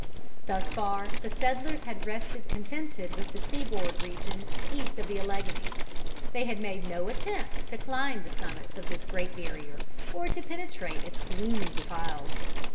Thus far, the settlers had rested contented with the sea board region east of the Alleghanies. They had made no attempt to climb the summits of this great barrier, or to penetrate its gloomy defiles.